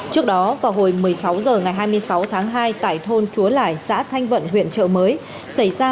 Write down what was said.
trước đó vào hồi một mươi sáu giờ ngày hai mươi sáu tháng hai tại thôn chúa lải xã thanh vận huyện trợ mới tỉnh bắc cạn